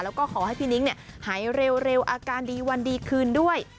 แล้วก็ขอให้พี่นิ้งหายเร็วอาการดีวันดีคืนด้วย